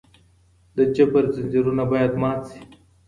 د جبر ځنځيرونه بايد مات سي.